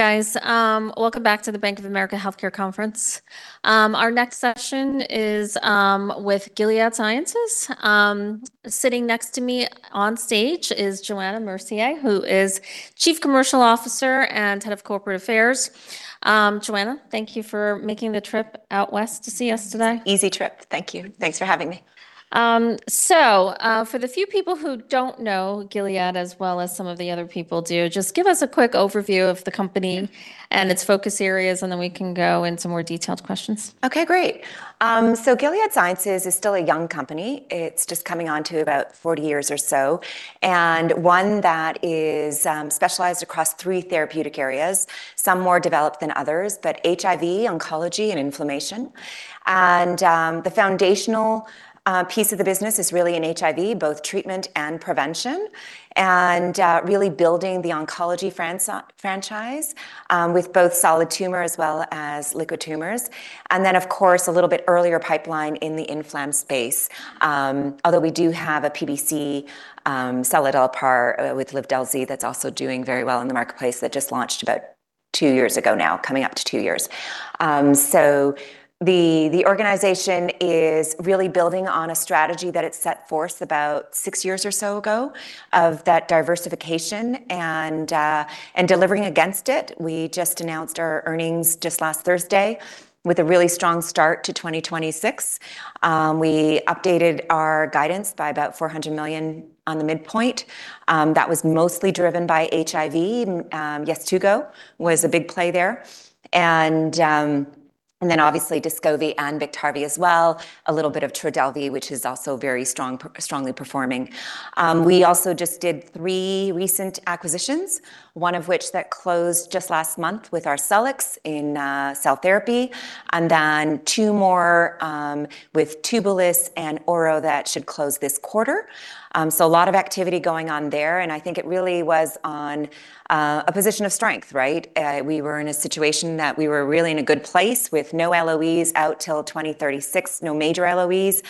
Guys, welcome back to the Bank of America Healthcare Conference. Our next session is with Gilead Sciences. Sitting next to me on stage is Johanna Mercier, who is Chief Commercial Officer & Head of Corporate Affairs. Johanna, thank you for making the trip out west to see us today. Easy trip. Thank you. Thanks for having me. For the few people who don't know Gilead as well as some of the other people do, just give us a quick overview of the company and its focus areas, and then we can go in some more detailed questions. Okay, great. Gilead Sciences is still a young company. It's just coming on to about 40 years or so, one that is specialized across three therapeutic areas, some more developed than others, that HIV, oncology, and inflammation. The foundational piece of the business is really in HIV, both treatment and prevention, really building the oncology franchise with both solid tumor as well as liquid tumors, of course, a little bit earlier pipeline in the inflam space. Although we do have a PBC, seladelpar, with LIVDELZI that's also doing very well in the marketplace that just launched about two years ago now, coming up to two years. The organization is really building on a strategy that it set forth about six years or so ago of that diversification and delivering against it. We just announced our earnings just last Thursday with a really strong start to 2026. We updated our guidance by about $400 million on the midpoint. That was mostly driven by HIV. Yeztugo was a big play there. Obviously Descovy and Biktarvy as well, a little bit of Trodelvy, which is also very strong, strongly performing. We also just did three recent acquisitions, one of which that closed just last month with Arcellx in cell therapy, and then two more with Tubulis and Ouro that should close this quarter. A lot of activity going on there, and I think it really was on a position of strength, right? We were in a situation that we were really in a good place with no LOEs out till 2036, no major LOEs,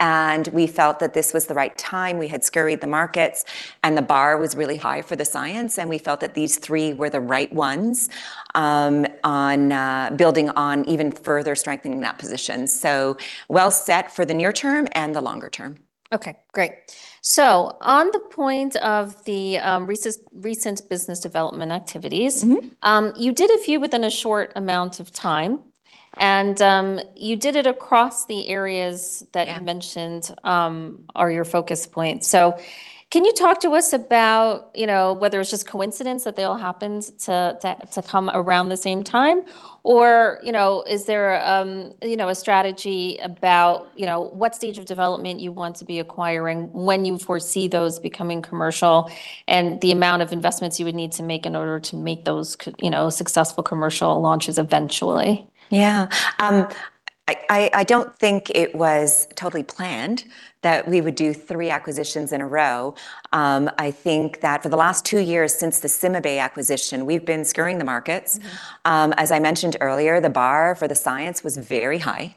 and we felt that this was the right time. We had scurried the markets, and the bar was really high for the science, and we felt that these three were the right ones, building on even further strengthening that position. Well set for the near term and the longer term. Okay, great. On the point of the recent business development activities. You did a few within a short amount of time, and, you did it across the areas that. Yeah You mentioned, are your focus points. Can you talk to us about, you know, whether it's just coincidence that they all happened to come around the same time? Or, you know, is there, you know, a strategy about, you know, what stage of development you want to be acquiring, when you foresee those becoming commercial, and the amount of investments you would need to make in order to make those you know, successful commercial launches eventually? Yeah. I don't think it was totally planned that we would do three acquisitions in a row. I think that for the last two years since the CymaBay acquisition, we've been scurrying the markets. As I mentioned earlier, the bar for the science was very high.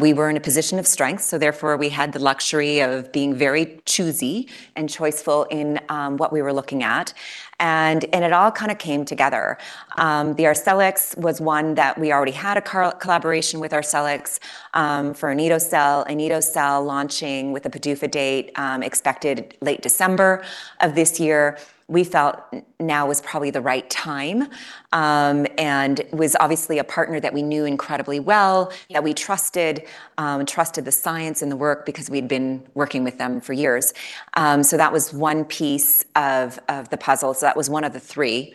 We were in a position of strength, so therefore we had the luxury of being very choosy and choiceful in what we were looking at and it all kind of came together. The Arcellx was one that we already had a collaboration with Arcellx for anito-cel. Anito-cel launching with the PDUFA date expected late December of this year. We felt now was probably the right time and was obviously a partner that we knew incredibly well. Yeah That we trusted the science and the work because we'd been working with them for years. That was one piece of the puzzle. That was one of the three,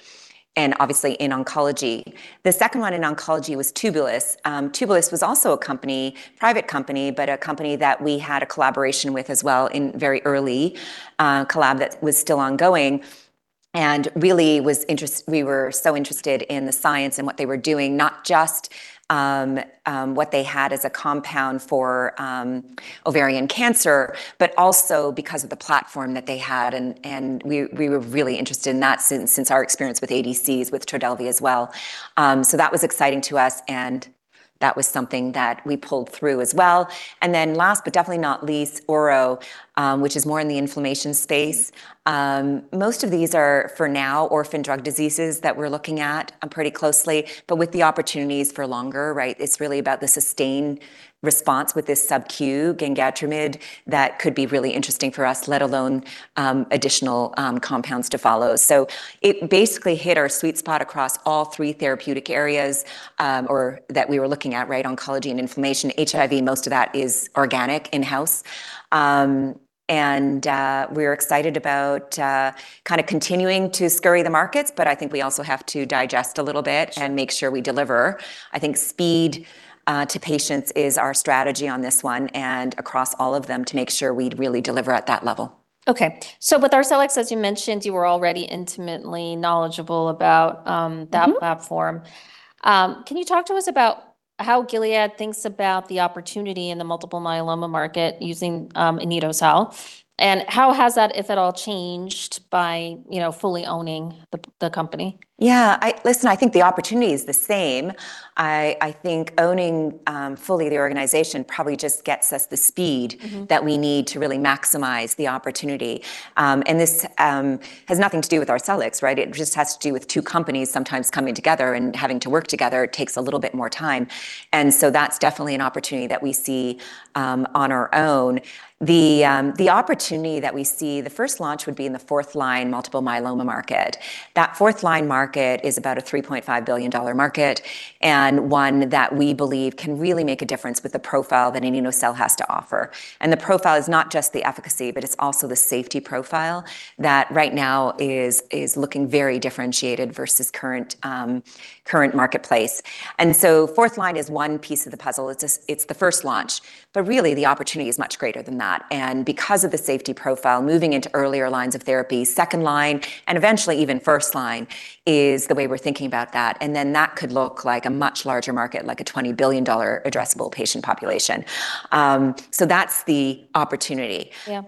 and obviously in oncology. The second one in oncology was Tubulis. Tubulis was also a company, private company, but a company that we had a collaboration with as well in very early collab that was still ongoing, and really we were so interested in the science and what they were doing, not just what they had as a compound for ovarian cancer, but also because of the platform that they had and we were really interested in that since our experience with ADCs with Trodelvy as well. That was exciting to us, and that was something that we pulled through as well. Last but definitely not least, Ouro, which is more in the inflammation space. Most of these are, for now, orphan drug diseases that we're looking at pretty closely, but with the opportunities for longer, right? It's really about the sustained response with this subQ [gengatromid] that could be really interesting for us, let alone, additional compounds to follow. It basically hit our sweet spot across all three therapeutic areas, or that we were looking at, right? Oncology and inflammation. HIV, most of that is organic, in-house. We're excited about kind of continuing to scurry the markets, but I think we also have to digest a little bit and make sure we deliver. I think speed to patients is our strategy on this one and across all of them to make sure we really deliver at that level. Okay. With Arcellx, as you mentioned, you were already intimately knowledgeable about that platform. Can you talk to us about how Gilead thinks about the opportunity in the multiple myeloma market using anito-cel. How has that, if at all, changed by fully owning the company? Yeah. Listen, I think the opportunity is the same. I think owning fully the organization probably just gets us the speed that we need to really maximize the opportunity. This has nothing to do with Arcellx, right? It just has to do with two companies sometimes coming together and having to work together takes a little bit more time. That's definitely an opportunity that we see on our own. The opportunity that we see, the first launch would be in the fourth line multiple myeloma market. That fourth line market is about a $3.5 billion market, one that we believe can really make a difference with the profile that anito-cel has to offer. The profile is not just the efficacy, but it's also the safety profile that right now is looking very differentiated versus current marketplace. Fourth line is one piece of the puzzle. It's just, it's the first launch. Really the opportunity is much greater than that. Because of the safety profile, moving into earlier lines of therapy, second line, and eventually even first line, is the way we're thinking about that, and then that could look like a much larger market, like a $20 billion addressable patient population. That's the opportunity. Yeah.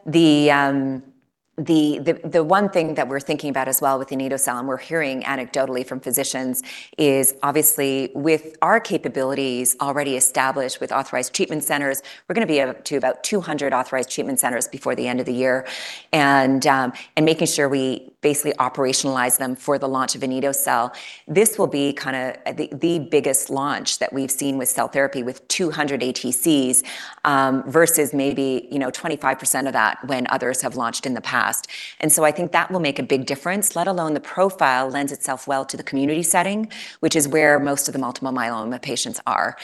The one thing that we're thinking about as well with anito-cel, we're hearing anecdotally from physicians, is obviously with our capabilities already established with Authorized Treatment Centers, we're gonna be up to about 200 Authorized Treatment Centers before the end of the year. Making sure we basically operationalize them for the launch of anito-cel. This will be kind of the biggest launch that we've seen with cell therapy with 200 ATCs versus maybe 25% of that when others have launched in the past. I think that will make a big difference, let alone the profile lends itself well to the community setting, which is where most of the multiple myeloma patients are.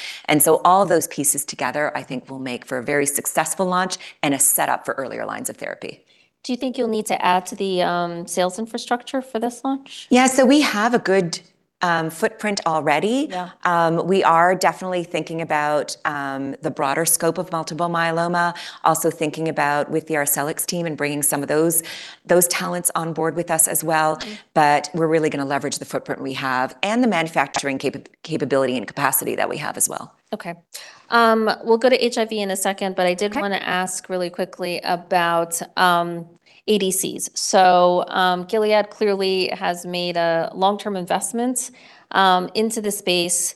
All of those pieces together I think will make for a very successful launch and a setup for earlier lines of therapy. Do you think you'll need to add to the sales infrastructure for this launch? Yeah, we have a good footprint already. Yeah. We are definitely thinking about the broader scope of multiple myeloma. Also thinking about with the Arcellx team and bringing some of those talents on board with us as well. Yeah. We're really gonna leverage the footprint we have and the manufacturing capability and capacity that we have as well. Okay. We'll go to HIV in a second. Okay But I did wanna ask really quickly about ADC. Gilead clearly has made a long-term investment into the space.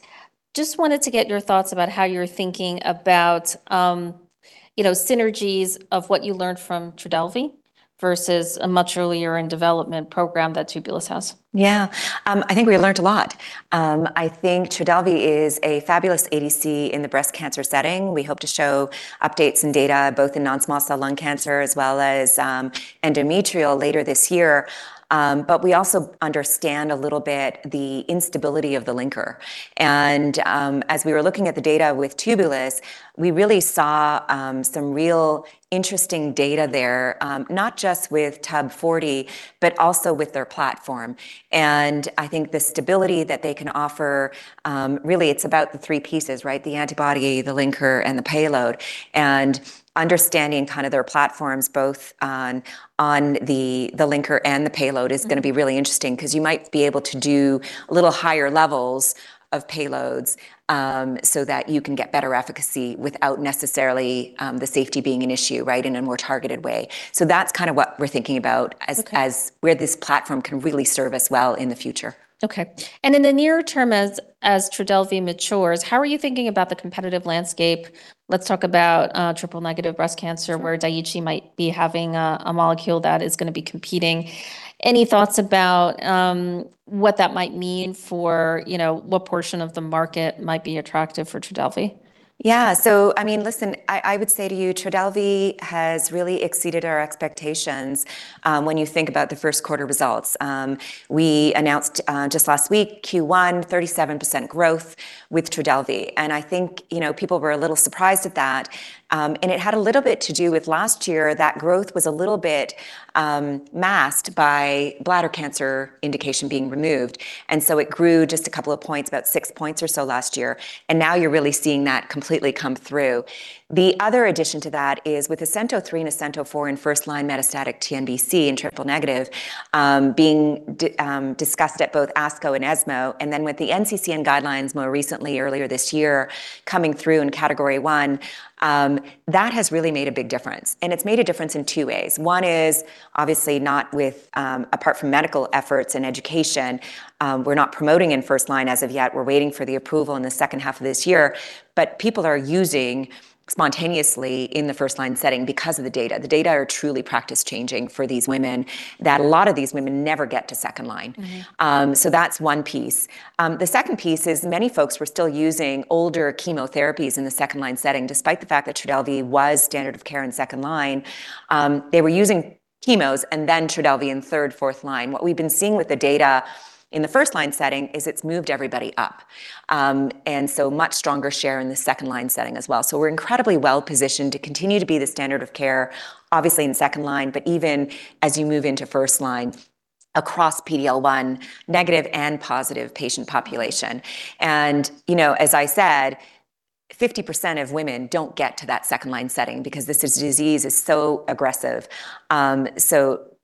Just wanted to get your thoughts about how you're thinking about, you know, synergies of what you learned from Trodelvy versus a much earlier in development program that Tubulis has. Yeah. I think we learned a lot. I think Trodelvy is a fabulous ADC in the breast cancer setting. We hope to show updates and data both in non-small cell lung cancer as well as endometrial later this year. We also understand a little bit the instability of the linker. As we were looking at the data with Tubulis, we really saw some real interesting data there, not just with TUB-040, but also with their platform. I think the stability that they can offer, really it's about the three pieces, right? The antibody, the linker, and the payload. Understanding kind of their platforms both on the linker and the payload is going to be really interesting because you might be able to do a little higher levels of payloads, so that you can get better efficacy without necessarily, the safety being an issue, right, in a more targeted way. So that's kind what where thinking about. Okay As where this platform can really serve us well in the future. Okay. In the near term, as Trodelvy matures, how are you thinking about the competitive landscape? Let's talk about triple negative breast cancer where Daiichi might be having a molecule that is gonna be competing, any thoughts about what that might mean for, you know, what portion of the market might be attractive for Trodelvy? Yeah. I mean, listen, I would say to you, Trodelvy has really exceeded our expectations when you think about the first quarter results. We announced just last week Q1 37% growth with Trodelvy, and I think, you know, people were a little surprised at that. It had a little bit to do with last year, that growth was a little bit masked by bladder cancer indication being removed, and so it grew just a couple of points, about six points or so last year, and now you're really seeing that completely come through. The other addition to that is with ASCENT-03 and ASCENT-04 in first line metastatic TNBC in triple-negative, being discussed at both ASCO and ESMO, and then with the NCCN guidelines more recently earlier this year coming through in Category 1, that has really made a big difference, and it's made a difference in two ways. One is obviously not with, apart from medical efforts and education, we're not promoting in first line as of yet. We're waiting for the approval in the second half of this year. People are using spontaneously in the first line setting because of the data. The data are truly practice-changing for these women, that a lot of these women never get to second line. That's one piece. The second piece is many folks were still using older chemotherapies in the second line setting, despite the fact that Trodelvy was standard of care in second line. They were using chemos and Trodelvy in third, fourth line. What we've been seeing with the data in the first line setting is it's moved everybody up. Much stronger share in the second line setting as well. We're incredibly well-positioned to continue to be the standard of care, obviously in second line, but even as you move into first line across PD-L1 negative and positive patient population. You know, as I said, 50% of women don't get to that second line setting because this is a disease that's so aggressive.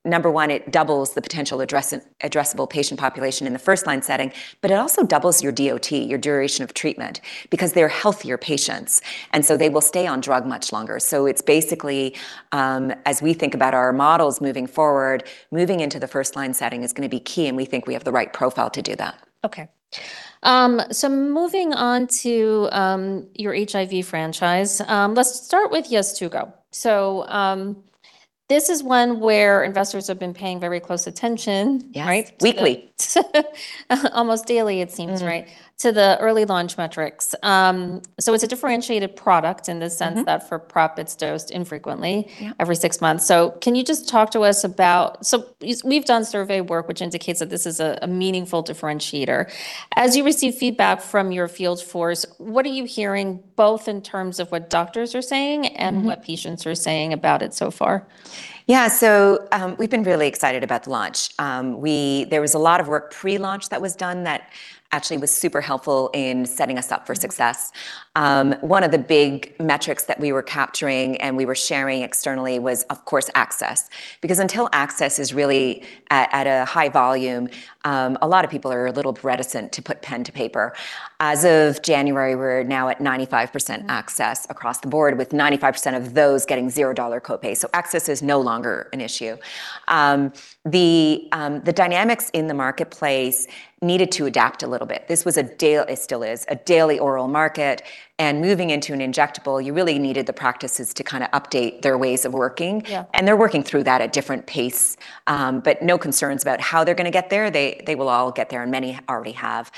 Number one, it doubles the potential addressable patient population in the first line setting, but it also doubles your DOT, your duration of treatment, because they're healthier patients, and so they will stay on drug much longer. It's basically, as we think about our models moving forward, moving into the first line setting is gonna be key, and we think we have the right profile to do that. Okay. Moving on to your HIV franchise. Let's start with Yeztugo. This is one where investors have been paying very close attention. Yes Right? Weekly. Almost daily it seems, right? To the early launch metrics. It's a differentiated product than the sent that for PrEP it's dosed infrequently. Yeah Every six months. Can you just talk to us about we've done survey work which indicates that this is a meaningful differentiator. As you receive feedback from your field force, what are you hearing both in terms of what doctors are saying? And what patients are saying about it so far? Yeah. We've been really excited about the launch. There was a lot of work pre-launch that was done that actually was super helpful in setting us up for success. One of the big metrics that we were capturing and we were sharing externally was, of course, access. Because until access is really at a high volume, a lot of people are a little reticent to put pen to paper. As of January, we're now at 95% access across the board, with 95% of those getting $0 copay. Access is no longer an issue. The dynamics in the marketplace needed to adapt a little bit. This was, it still is, a daily oral market, and moving into an injectable, you really needed the practices to kind of update their ways of working. Yeah. They're working through that at different pace. No concerns about how they're gonna get there. They will all get there, and many already have.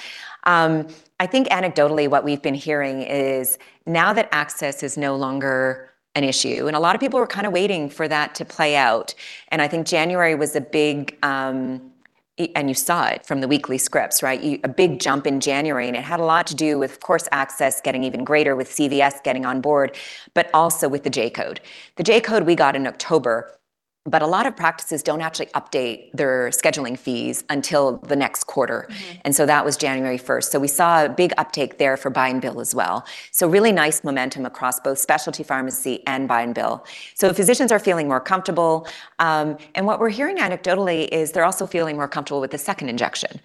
I think anecdotally what we've been hearing is now that access is no longer an issue, and a lot of people were kind of waiting for that to play out, and I think January was a big. You saw it from the weekly scripts, right? A big jump in January, and it had a lot to do with, of course, access getting even greater with CVS getting on board, but also with the J-code. The J-code we got in October, a lot of practices don't actually update their scheduling fees until the next quarter. That was January 1st. We saw a big uptake there for buy and bill as well. Really nice momentum across both specialty pharmacy and buy and bill. Physicians are feeling more comfortable, and what we're hearing anecdotally is they're also feeling more comfortable with the second injection.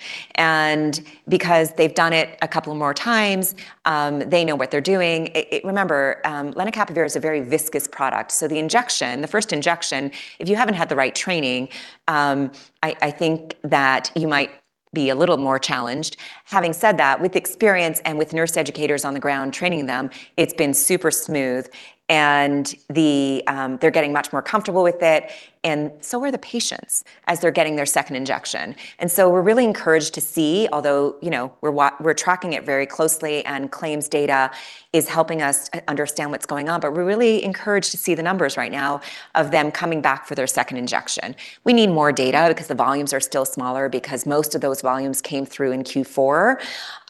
Because they've done it a couple more times, they know what they're doing. Remember, lenacapavir is a very viscous product, so the injection, the first injection, if you haven't had the right training, I think that you might be a little more challenged. Having said that, with experience and with nurse educators on the ground training them, it's been super smooth, and they're getting much more comfortable with it, and so are the patients as they're getting their second injection. We're really encouraged to see, although, you know, we're tracking it very closely and claims data is helping us understand what's going on, but we're really encouraged to see the numbers right now of them coming back for their second injection. We need more data because the volumes are still smaller because most of those volumes came through in Q4.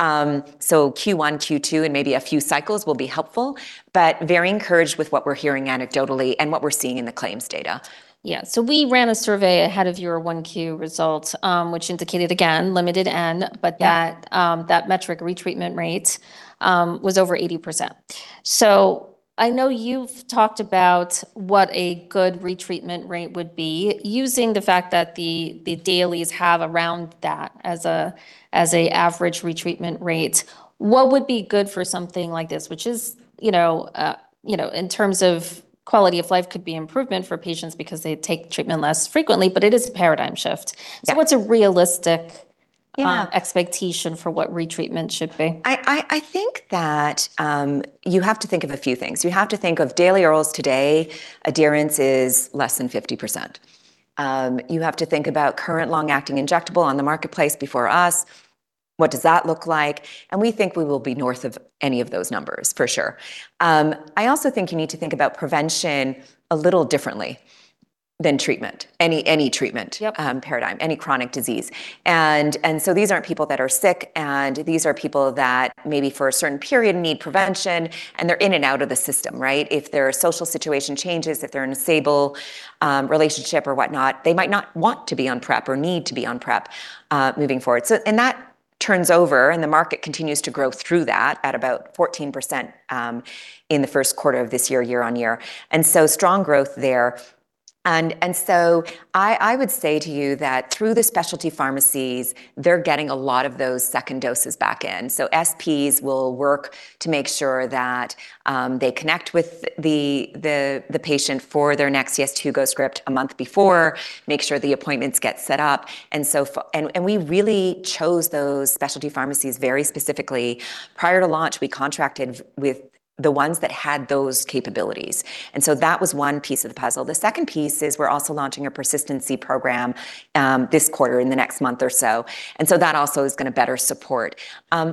Q1, Q2, and maybe a few cycles will be helpful, but very encouraged with what we're hearing anecdotally and what we're seeing in the claims data. Yeah. We ran a survey ahead of your 1Q results, which indicated, again, limited. That metric retreatment rate was over 80%. I know you've talked about what a good retreatment rate would be. Using the fact that the dailies have around that as an average retreatment rate, what would be good for something like this, which is, you know, you know, in terms of quality of life could be improvement for patients because they take treatment less frequently, but it is a paradigm shift. Yeah. What's a realistic- Yeah Expectation for what retreatment should be? I think that you have to think of a few things. You have to think of daily orals today, adherence is less than 50%. You have to think about current long-acting injectable on the marketplace before us, what does that look like? We think we will be north of any of those numbers, for sure. I also think you need to think about prevention a little differently than treatment. Any treatment- Yep Paradigm, any chronic disease. These aren't people that are sick, and these are people that maybe for a certain period need prevention, and they're in and out of the system, right? If their social situation changes, if they're in a stable relationship or what not, they might not want to be on PrEP or need to be on PrEP moving forward. That turns over, and the market continues to grow through that at about 14% in the first quarter of this year-on-year. Strong growth there. I would say to you that through the specialty pharmacies, they're getting a lot of those second doses back in. SPs will work to make sure that they connect with the patient for their next Yeztugo script a month before, make sure the appointments get set up. We really chose those specialty pharmacies very specifically. Prior to launch, we contracted with the ones that had those capabilities. That was one piece of the puzzle. The second piece is we're also launching a persistency program this quarter, in the next month or so. That also is gonna better support.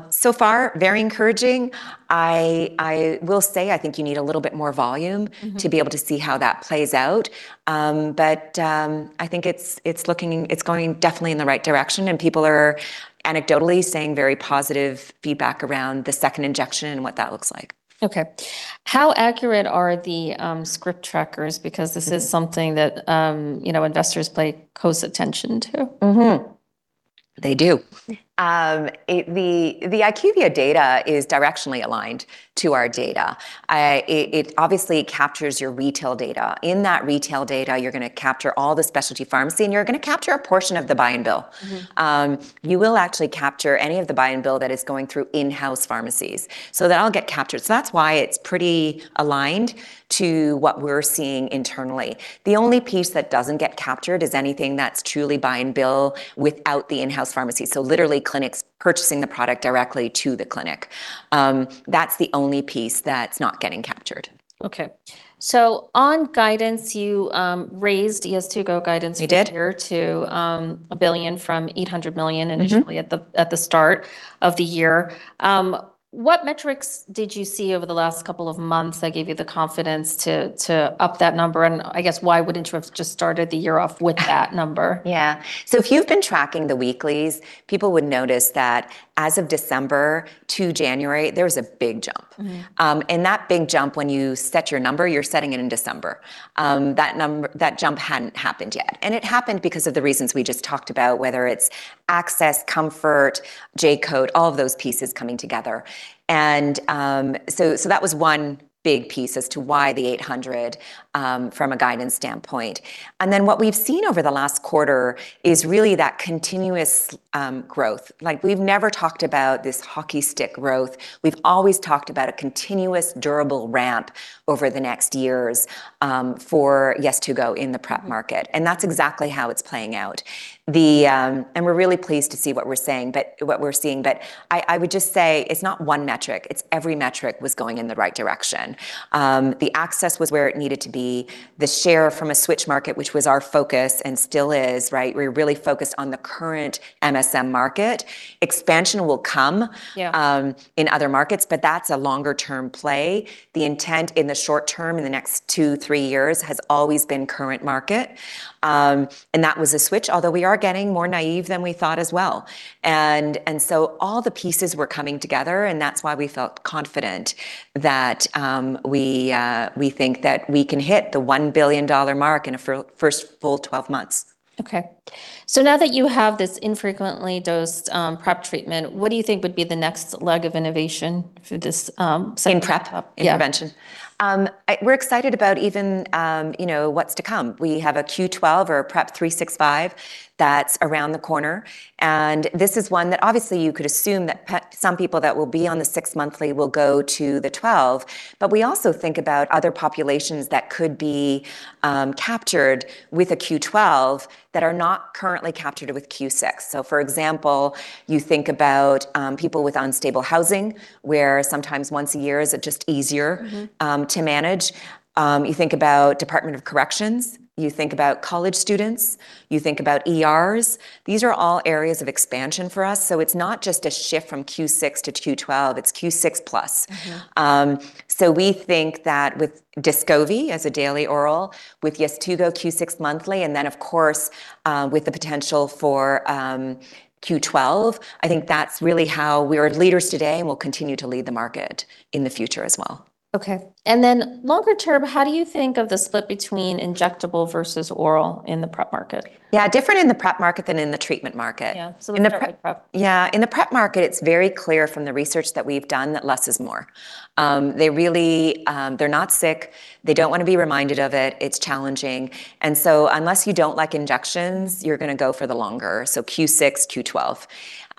So far, very encouraging. I will say I think you need a little bit more volume, to be able to see how that plays out. I think it's going definitely in the right direction, and people are anecdotally saying very positive feedback around the second injection and what that looks like. Okay. How accurate are the script trackers? This is something that, you know, investors pay close attention to. They do. The IQVIA data is directionally aligned to our data. It obviously captures your retail data. In that retail data, you're going to capture all the specialty pharmacy, and you're going to capture a portion of the buy-and-bill. You will actually capture any of the buy-and-bill that is going through in-house pharmacies. That'll get captured. That's why it's pretty aligned to what we're seeing internally. The only piece that doesn't get captured is anything that's truly buy-and-bill without the in-house pharmacy, so literally clinics purchasing the product directly to the clinic. That's the only piece that's not getting captured. Okay. On guidance, you raised Yeztugo guidance this year. We did. To, $1 billion from $800 million and initially at the start of the year. What metrics did you see over the last two months that gave you the confidence to up that number? I guess why wouldn't you have just started the year off with that number? Yeah. If you've been tracking the weeklies, people would notice that as of December to January, there was a big jump. That big jump, when you set your number, you're setting it in December. That jump hadn't happened yet, and it happened because of the reasons we just talked about, whether it's access, comfort, J-code, all of those pieces coming together. So that was one big piece as to why the 800 from a guidance standpoint. What we've seen over the last quarter is really that continuous growth. We've never talked about this hockey stick growth. We've always talked about a continuous durable ramp over the next years for Yeztugo in the PrEP market, and that's exactly how it's playing out. We're really pleased to see what we're seeing. I would just say it's not one metric, it's every metric was going in the right direction. The access was where it needed to be, the share from a switch market, which was our focus and still is, right? We're really focused on the current MSM market. Expansion will come. Yeah In other markets, but that's a longer term play. The intent in the short term, in the next two, three years, has always been current market. That was a switch, although we are getting more naive than we thought as well. So all the pieces were coming together, and that's why we felt confident that we think that we can hit the $1 billion mark in a first full 12 months. Okay. now that you have this infrequently dosed, PrEP treatment, what do you think would be the next leg of innovation for this segment? In PrEP. Yeah Intervention? We're excited about even, you know, what's to come. We have a Q12 or a PrEP 365 that's around the corner. This is one that obviously you could assume that some people that will be on the six-monthly will go to the 12. We also think about other populations that could be captured with a Q12 that are not currently captured with Q6. For example, you think about people with unstable housing, where sometimes once a year is just easier to manage. You think about Department of Corrections, you think about college students, you think about ERs. These are all areas of expansion for us. It's not just a shift from Q6 to Q12, it's Q6 plus. We think that with Descovy as a daily oral, with Yeztugo Q6 monthly, and of course, with the potential for Q12, I think that's really how we are leaders today and will continue to lead the market in the future as well. Okay. Then longer term, how do you think of the split between injectable versus oral in the PrEP market? Yeah, different in the PrEP market than in the treatment market. Yeah, let's start with PrEP. Yeah. In the PrEP market, it's very clear from the research that we've done that less is more. They really, they're not sick. They don't want to be reminded of it. It's challenging. Unless you don't like injections, you're going to go for the longer, so Q6, Q12.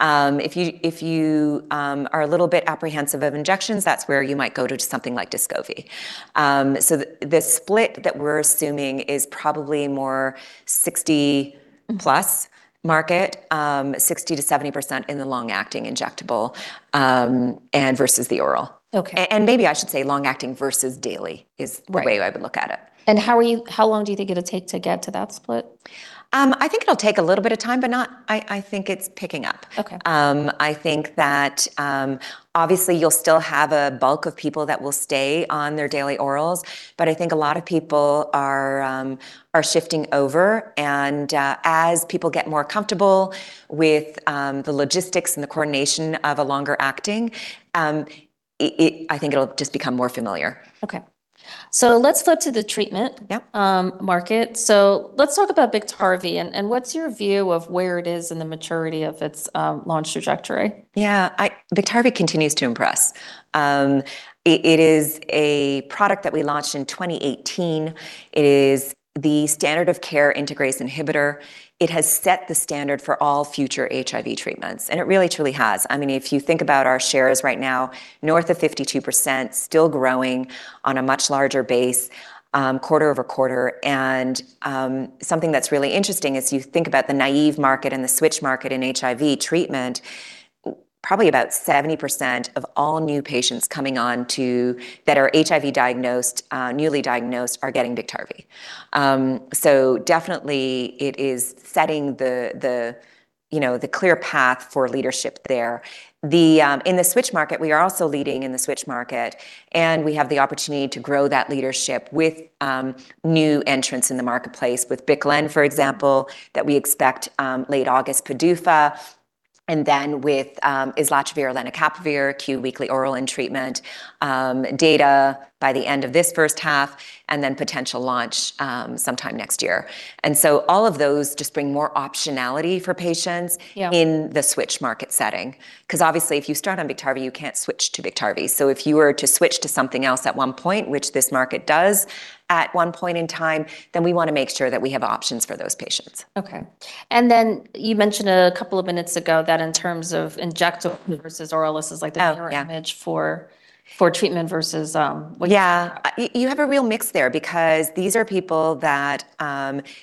If you are a little bit apprehensive of injections, that's where you might go to something like Descovy. The split that we're assuming is probably more 60-plus market, 60%-70% in the long-acting injectable, and versus the oral. Okay. Maybe I should say long-acting versus daily. Right The way I would look at it. How long do you think it'll take to get to that split? I think it'll take a little bit of time, but I think it's picking up. Okay. I think that, obviously you'll still have a bulk of people that will stay on their daily orals. I think a lot of people are shifting over, and as people get more comfortable with the logistics and the coordination of a longer acting, I think it'll just become more familiar. Okay. Let's flip to the treatment- Yep Market. Let's talk about Biktarvy and what's your view of where it is in the maturity of its launch trajectory? Biktarvy continues to impress. It is a product that we launched in 2018. It is the standard of care integrase inhibitor. It has set the standard for all future HIV treatments, it really truly has. I mean, if you think about our shares right now, north of 52%, still growing on a much larger base, quarter-over-quarter. Something that's really interesting as you think about the naive market and the switch market in HIV treatment, probably about 70% of all new patients coming on to, that are HIV diagnosed, newly diagnosed, are getting Biktarvy. Definitely it is setting the, you know, the clear path for leadership there. The in the switch market, we are also leading in the switch market, and we have the opportunity to grow that leadership with new entrants in the marketplace, with BIC/LEN, for example, that we expect late August PDUFA. With islatravir, lenacapavir, Q weekly oral in treatment data by the end of this first half, and then potential launch sometime next year. All of those just bring more optionality for patients. Yeah In the switch market setting. 'Cause obviously, if you start on Biktarvy, you can't switch to Biktarvy. If you were to switch to something else at one point, which this market does at one point in time, we wanna make sure that we have options for those patients. Okay. Then you mentioned a couple of minutes ago that in terms of injectable versus oral, this is like. Oh, yeah. The current image for treatment versus. Yeah. You have a real mix there because these are people that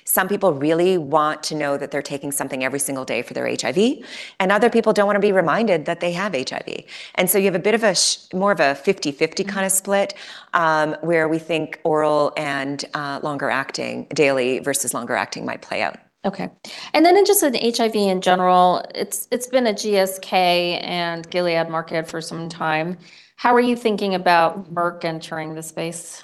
some people really want to know that they're taking something every single day for their HIV, other people don't wanna be reminded that they have HIV. You have a bit more of a 50/50 kind of split, where we think oral and longer acting, daily versus longer acting, might play out. Okay. Just in HIV in general, it's been a GSK and Gilead market for some time. How are you thinking about Merck entering the space?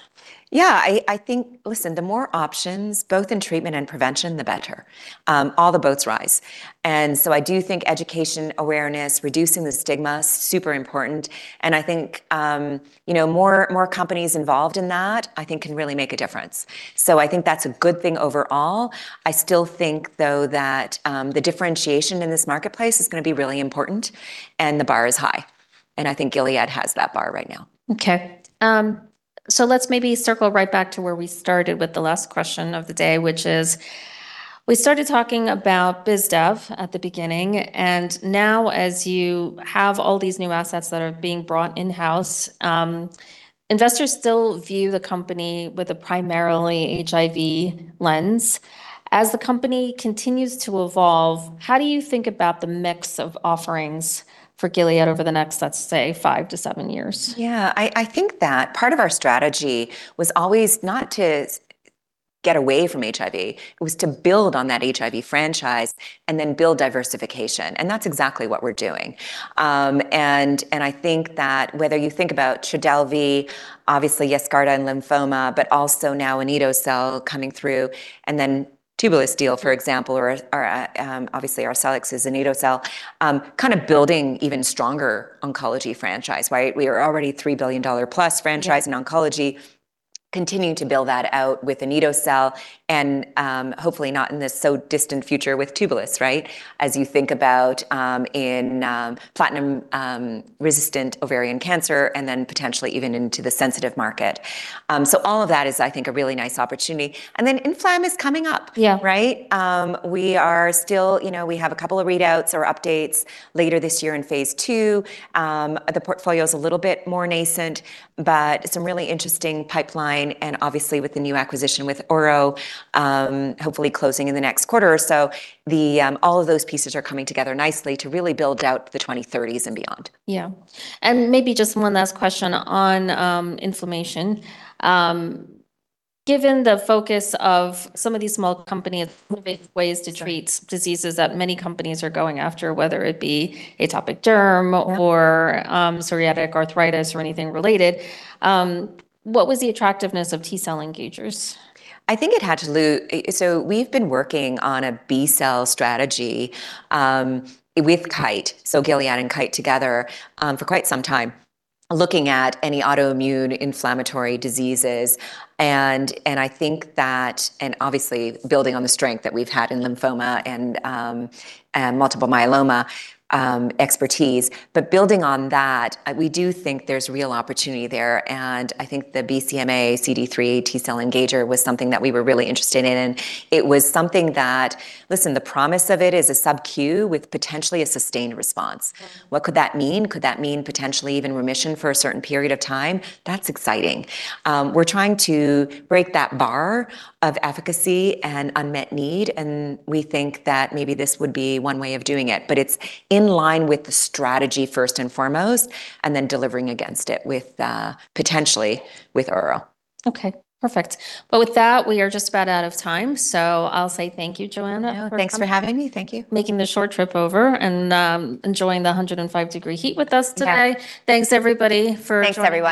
Yeah. I think, listen, the more options, both in treatment and prevention, the better. All the boats rise, I do think education, awareness, reducing the stigma, super important. I think, you know, more companies involved in that I think can really make a difference. I think that's a good thing overall. I still think, though, that the differentiation in this marketplace is gonna be really important, and the bar is high, and I think Gilead has that bar right now. Okay. Let's maybe circle right back to where we started with the last question of the day, which is we started talking about biz dev at the beginning, and now as you have all these new assets that are being brought in-house, investors still view the company with a primarily HIV lens. As the company continues to evolve, how do you think about the mix of offerings for Gilead over the next, let's say, five to seven years? Yeah. I think that part of our strategy was always not to get away from HIV. It was to build on that HIV franchise and then build diversification, and that's exactly what we're doing. I think that whether you think about Trodelvy, obviously Yescarta in lymphoma, but also now anito-cel coming through, and then Tubulis deal, for example, or obviously our Arcellx is anito-cel, kind of building even stronger oncology franchise, right? We are already $3 billion plus franchise- Yeah In oncology, continuing to build that out with anito-cel, and, hopefully not in the so distant future with Tubulis, right? As you think about, in, platinum resistant ovarian cancer, and then potentially even into the sensitive market. All of that is, I think, a really nice opportunity. Inflam is coming up. Yeah. Right? We are still You know, we have a couple of readouts or updates later this year in phase II. The portfolio's a little bit more nascent, but some really interesting pipeline, and obviously with the new acquisition with Ouro, hopefully closing in the next quarter or so, all of those pieces are coming together nicely to really build out the 2030s and beyond. Yeah. Maybe just one last question on inflammation. Given the focus of some of these small companies innovative ways to treat diseases that many companies are going after, whether it be atopic derm or- Yeah Psoriatic arthritis or anything related, what was the attractiveness of T-cell engagers? I think it had to do. We've been working on a B-cell strategy with Kite, so Gilead and Kite together, for quite some time, looking at any autoimmune inflammatory diseases. I think that, obviously building on the strength that we've had in lymphoma and multiple myeloma expertise, but building on that, we do think there's real opportunity there. I think the BCMA CD3 T-cell engager was something that we were really interested in, and it was something that the promise of it is a subQ with potentially a sustained response. Yeah. What could that mean? Could that mean potentially even remission for a certain period of time? That's exciting. We're trying to break that bar of efficacy and unmet need. We think that maybe this would be one way of doing it. It's in line with the strategy first and foremost. Delivering against it with, potentially with Ouro. Okay. Perfect. Well, with that, we are just about out of time, so I'll say thank you, Johanna, for coming. Yeah. Thanks for having me. Thank you. Making the short trip over and enjoying the 105-degree heat with us today. Yeah. Thanks, everybody, for joining. Thanks, everyone.